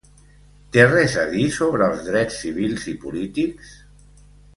Té res a dir sobre els drets civils i polítics?